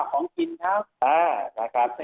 ของกินครับ